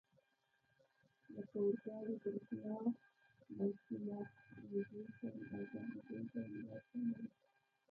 لکه اورګاډي، برېښنا، ماشینایزېشن او فابریکوي تولیدات شامل وو.